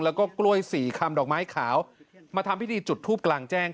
แล้วก็กล้วยสี่คำดอกไม้ขาวมาทำพิธีจุดทูปกลางแจ้ง